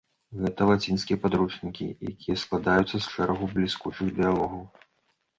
Гэта лацінскія падручнікі, якія складаюцца з шэрагу бліскучых дыялогаў.